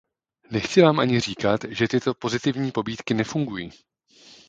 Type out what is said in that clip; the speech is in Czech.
Nechci vám ani říkat, že tyto pozitivní pobídky nefungují.